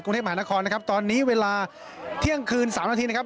กรุงเทพมหานครนะครับตอนนี้เวลาเที่ยงคืน๓นาทีนะครับ